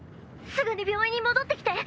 すぐに病院に戻ってきて！